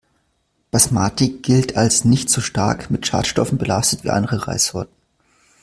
Basmati gilt als nicht so stark mit Schadstoffen belastet wie andere Reissorten.